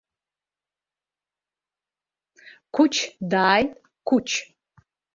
Қәыч дааит, Қәыч!